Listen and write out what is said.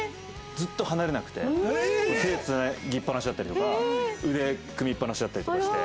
ずっと離れなくて手つなぎっぱなしだったりとか腕組みっぱなしだったりとかして。